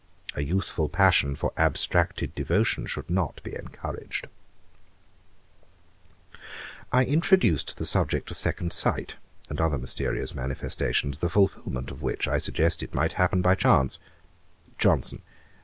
A youthful passion for abstracted devotion should not be encouraged.' I introduced the subject of second sight, and other mysterious manifestations; the fulfilment of which, I suggested, might happen by chance. JOHNSON.